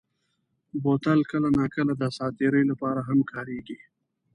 بوتل کله ناکله د ساعت تېرۍ لپاره هم کارېږي.